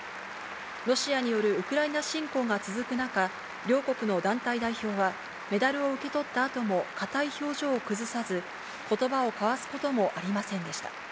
ロシアによるウクライナ侵攻が続く中、両国の団体代表は、メダルを受け取ったあとも硬い表情を崩さず、ことばを交わすこともありませんでした。